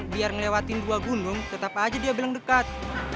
biar ngelewatin dua gunung tetap aja dia bilang dekat